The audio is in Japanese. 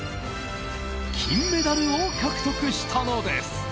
金メダルを獲得したのです！